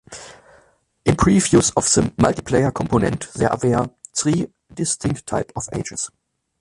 In previews of the multiplayer component, there were three distinct types of Ages.